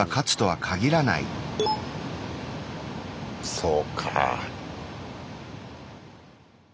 そうか。